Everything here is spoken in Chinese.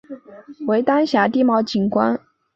为丹霞地貌景观。